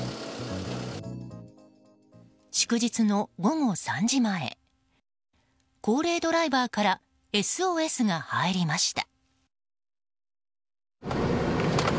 祝日の午後３時前高齢ドライバーからＳＯＳが入りました。